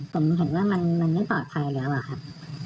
ผมเห็นว่ามันไม่ปลอดภัยแล้วอะครับ